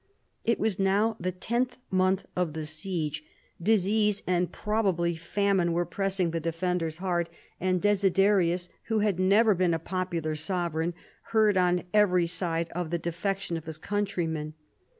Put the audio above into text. It was now the tenth month of the siege : disease and probably famine were pressing the defenders hard : and Desiderius, ^ who had never been a popular sovereign, heard on every side of the defection of his countrymen.